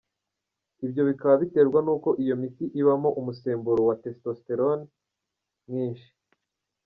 Ibyo ngo bikaba biterwa nuko iyo miti ibamo umusemburo wa testostérone mwinshi.